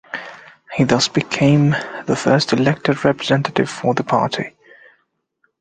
He thus became the first elected representative for the party.